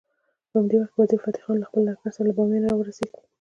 په همدې وخت کې وزیر فتح خان له خپل لښکر سره له بامیانو راورسېد.